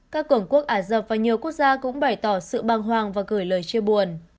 các cường quốc ả rập và nhiều quốc gia cũng bày tỏ sự băng hoàng và gửi lời chia buồn